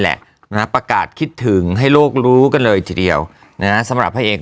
แหละนะประกาศคิดถึงให้โลกรู้กันเลยทีเดียวนะสำหรับพระเอก